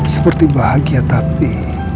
seperti bahagia tapi